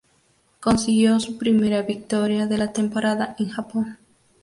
Consiguió su primera victoria de la temporada en Japón.